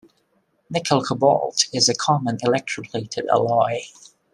Nickel-Cobalt is a common electroplated alloy.